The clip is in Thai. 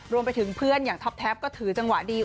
รวมไปถึงเพื่อนอย่างท็อปแท็ปก็ถือจังหวะดี